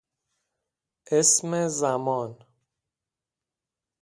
اسم زمان